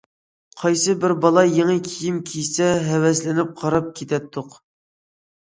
قايسى بىر بالا يېڭى كىيىم كىيسە ھەۋەسلىنىپ قاراپ كېتەتتۇق.